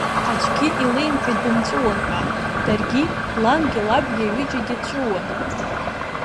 Аӡәгьы илеимҳәеит бымҵәыуан ҳәа, даргьы, лангьы лабгьы аҩыџьагьы ҵәыуон.